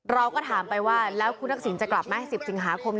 เราก็ถามไปว่าแล้วคุณทักษิณจะกลับไหม๑๐สิงหาคม